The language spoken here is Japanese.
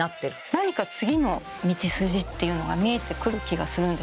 何か次の道筋っていうのが見えてくる気がするんですよね。